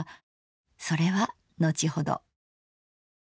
それは後ほど。